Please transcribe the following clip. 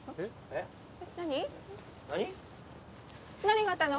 何があったの？